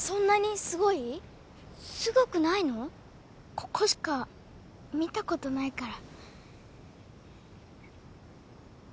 ここしか見たことないから。